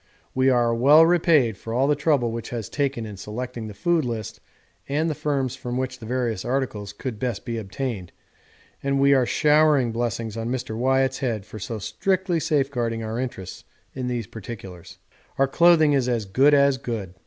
We are well repaid for all the trouble which was taken in selecting the food list and the firms from which the various articles could best be obtained, and we are showering blessings on Mr. Wyatt's head for so strictly safeguarding our interests in these particulars. 'Our clothing is as good as good.